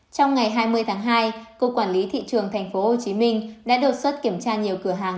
trong ngày hai mươi tháng hai cục quản lý thị trường tp hcm đã đột xuất kiểm tra nhiều cửa hàng